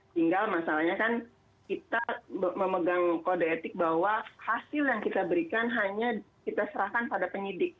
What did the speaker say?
tinggal masalahnya kan kita memegang kode etik bahwa hasil yang kita berikan hanya kita serahkan pada penyidik